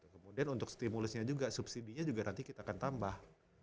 kemudian untuk stimulusnya juga subsidinya juga nanti kita akan tambah